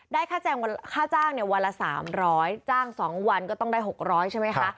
ค่าจ้างวันละ๓๐๐จ้าง๒วันก็ต้องได้๖๐๐ใช่ไหมคะ